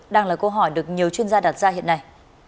đang là câu hỏi được nhiều chuyên gia đặt ra hiện nay